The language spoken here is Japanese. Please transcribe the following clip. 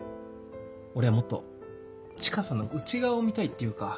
俺はもっとチカさんの内側を見たいっていうか。